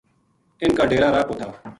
اِنھ کا ڈیرا راہ پو تھا